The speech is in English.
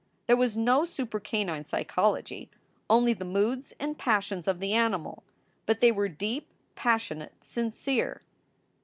There was no supercanine psychology, only the moods and passions of the animal; but they were deep, passionate, sincere.